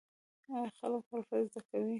آیا خلک حرفه زده کوي؟